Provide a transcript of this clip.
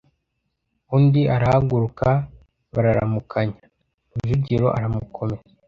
Undi arahaguruka bararamukanya. Rujugira aramukomeza,